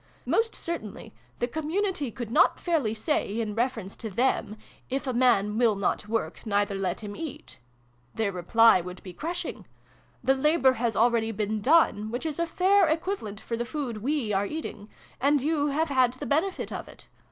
Most certainly, the community could not fairly say, in reference to them, ' if a man will not work, neither let htm eat." Their reply would be crushing. 'The labour has already been done, which is a fair equivalent for the food we are eating ; and you have had the benefit of it.